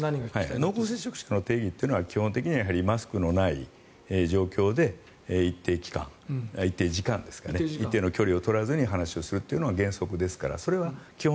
濃厚接触者の定義というのは基本的にマスクのない状況で一定時間ですかね一定の距離を取らずに話をするのが原則ですから。